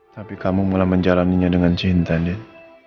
tapi kamu mulai menjalannya dengan cinta dia